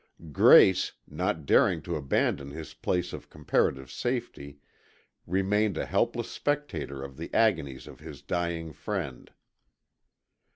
Grace, not daring to abandon his place of comparative safety, remained a helpless spectator of the agonies of his dying friend.